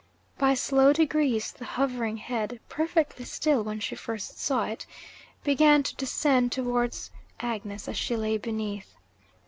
By slow degrees, the hovering head (perfectly still when she first saw it) began to descend towards Agnes as she lay beneath.